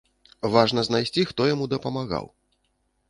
Важна знайсці, хто яму дапамагаў.